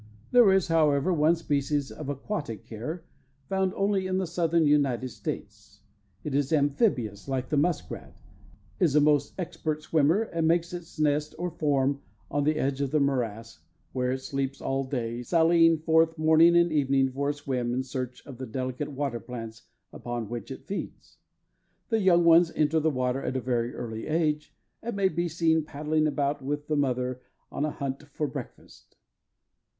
There is, however, one species of aquatic hare, found only in the Southern United States. It is amphibious, like the musk rat, is a most expert swimmer, and makes its nest, or "form," on the edge of the morass, where it sleeps all day, sallying forth morning and evening for a swim in search of the delicate water plants upon which it feeds. The young ones enter the water at a very early age, and may be seen paddling about with the mother on a hunt for breakfast.